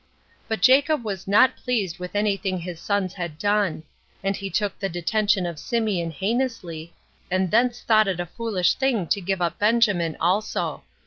But Jacob was not pleased with any thing his sons had done; and he took the detention of Symeon heinously, and thence thought it a foolish thing to give up Benjamin also.